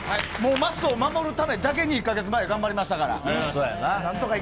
まっすーを守るためだけに、１か月前、頑張りましたから。